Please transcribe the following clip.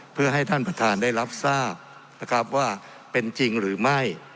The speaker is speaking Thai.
เพื่อให้ท่านประธานได้รับทราบนะครับว่าเป็นจริงหรือไม่